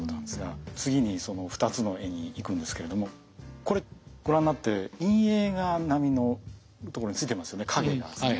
次にその２つの絵にいくんですけれどもこれご覧になって陰影が波のところについてますよね影が。